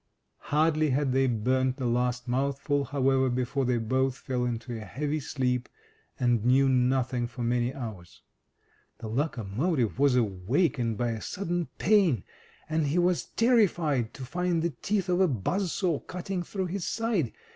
Hardly had they burned the last mouthful, however, before they both fell into a heavy sleep, and knew nothing for many hours. The locomotive was awakened by a sudden pain, and he was terrified to find the teeth of a buzz saw cutting through his side.